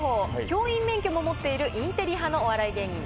教員免許も持っているインテリ派のお笑い芸人です。